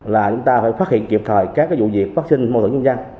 là chúng ta phải phát hiện kịp thời các vụ việc phát sinh mâu thuẫn nhân dân